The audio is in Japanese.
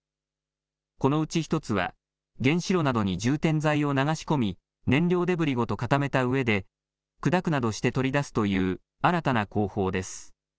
このうち１つは、原子炉などに充填材を流し込み、燃料デブリごと固めたうえで、砕くなどして取り出すという新たな工法です。